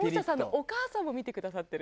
お母さんも見てくださってる。